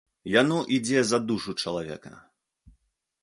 Яно ідзе за душу чалавека.